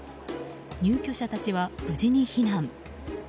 入居者たちは無事に避難。